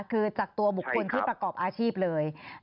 คือจากตัวบุคคลที่ประกอบอาชีพเลย